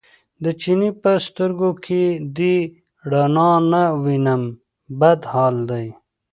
د چیني په سترګو کې دې رڼا نه وینم بد حال دی.